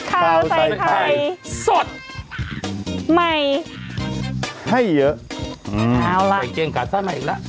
ข้าวใส่ไข่สดใหม่ให้เยอะเอาล่ะใส่เกงขาสั้นมาอีกแล้ว